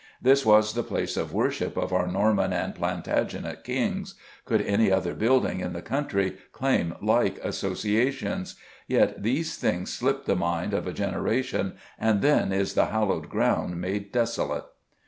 This was the place of worship of our Norman and Plantagenet kings. Could any other building in the country claim like associations? Yet these things slip the mind of a generation, and then is the hallowed ground made desolate.